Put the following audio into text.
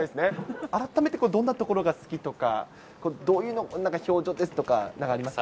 改めてどんなところが好きとか、どういうの、なんか表情ですとか、なんかありますか？